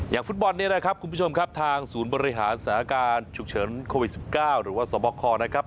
ฟุตบอลเนี่ยนะครับคุณผู้ชมครับทางศูนย์บริหารสถานการณ์ฉุกเฉินโควิด๑๙หรือว่าสวบคนะครับ